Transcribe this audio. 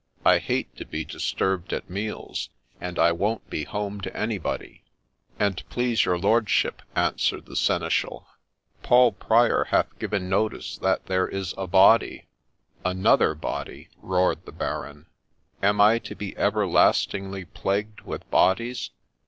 I hate to be disturbed at meals, and I won't be at home to anybody.' ' An't please your lordship,' answered the Seneschal, ' Paul Prior hath given notice that there is a body '' Another body !' roared the Baron. ' Am I to be everlast ingly plagued with bodies